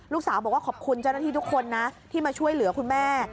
ลูกสาวบอกว่าขอบคุณเจ้าหน้าที่ทุกคนนะที่มาช่วยเหลือคุณแม่